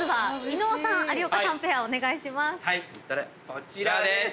こちらです。